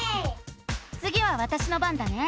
つぎはわたしの番だね。